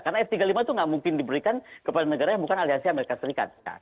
karena f tiga puluh lima itu nggak mungkin diberikan kepada negara yang bukan aliasi amerika serikat